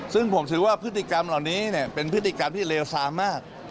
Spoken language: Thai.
ซึ่งผมถือว่าพฤติกรรมเหล่านี้เป็นพฤติกรรมที่เลวซามาก